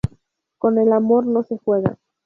Con el amor no se juega